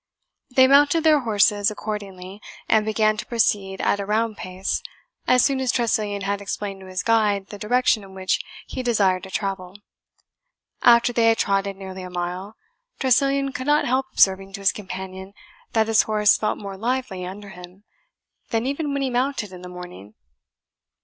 They mounted their horses accordingly, and began to proceed at a round pace, as soon as Tressilian had explained to his guide the direction in which he desired to travel. After they had trotted nearly a mile, Tressilian could not help observing to his companion that his horse felt more lively under him than even when he mounted in the morning.